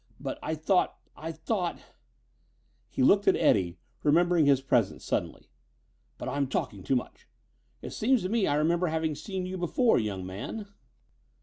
But I thought I thought " He looked at Eddie, remembering his presence suddenly. "But I'm talking too much. It seems to me I remember having seen you before, young man."